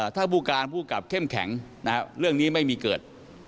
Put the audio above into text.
ถ้าผู้การผู้กลับเข้มแข็งเรื่องนี้ไม่มีเกิด